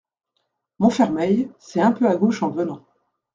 Montfermeil, c'est un peu à gauche en venant.